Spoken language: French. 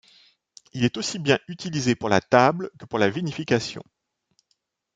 Il est aussi bien utilisé pour la table que pour la vinification.